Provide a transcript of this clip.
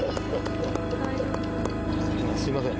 すいません。